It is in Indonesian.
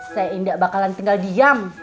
saya tidak bakalan tinggal diam